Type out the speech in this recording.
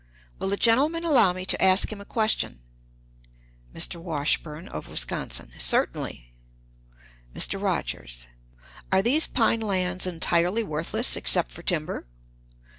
Will the gentleman allow me to ask him a question? "Mr. Washburn, of Wisconsin. Certainly. "Mr. Rogers. Are these pine lands entirely worthless except for timber?